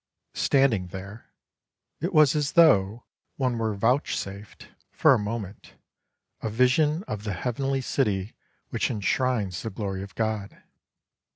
Standing there, it was as though one were vouchsafed, for a moment, a vision of the Heavenly City which enshrines the glory of God.